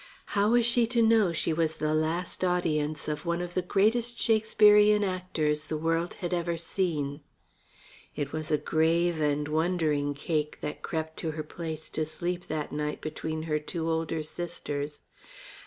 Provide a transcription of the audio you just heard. How was she to know she was the last audience of one of the greatest Shakespearian actors the world had ever seen? It was a grave and wondering Cake that crept to her place to sleep that night between her two older sisters.